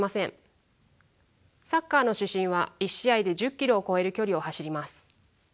サッカーの主審は１試合で１０ｋｍを超える距離を走ります。